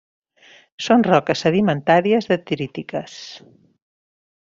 Són roques sedimentàries detrítiques.